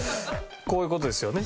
こういう事ですよね。